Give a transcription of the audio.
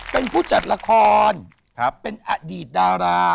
เป็นผู้จัดละครเป็นอดีตดารา